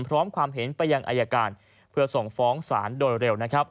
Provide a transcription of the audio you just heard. พร้อมความเห็นไปยังอายการเพื่อส่งฟ้องศาลโดยเร็ว